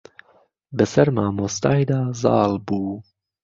بە سەر مامۆستای دا زاڵ بوو.